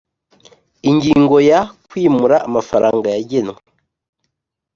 ingingo ya kwimura amafaranga yagenwe